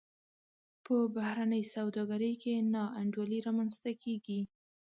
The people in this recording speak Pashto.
په بهرنۍ سوداګرۍ کې نا انډولي رامنځته کیږي.